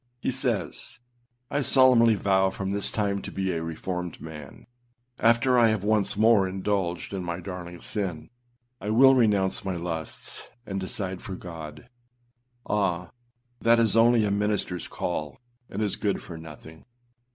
He says, âI solemnly vow from this time to be a reformed man. After I have once more indulged in my darling sin, I will renounce my lusts, and decide for God.â Ah! that is only a ministerâs call, and is good for nothing.